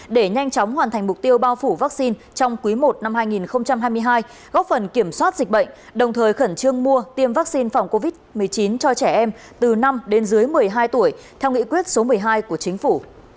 để nhanh chóng hoàn thành mục tiêu bao phủ vaccine trong quý i năm hai nghìn hai mươi hai góp phần kiểm soát dịch bệnh đồng thời khẩn trương mua tiêm vaccine phòng covid một mươi chín cho trẻ em từ năm đến dưới một mươi hai tuổi theo nghị quyết số một mươi hai của chính phủ